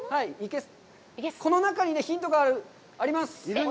この中にヒントがあります。